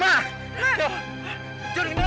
mak kenapa mak